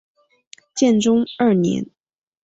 建中二年。